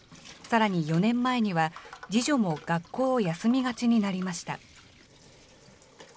さらに４年前には、次女も学校を休みがちになりました。